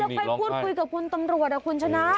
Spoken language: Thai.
แล้วใครพูดคุยกับคุณตำรวจคุณชนะ